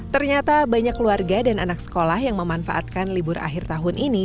ternyata banyak keluarga dan anak sekolah yang memanfaatkan libur akhir tahun ini